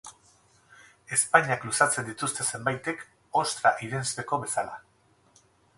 Ezpainak luzatzen dituzte zenbaitek, ostra irensteko bezala.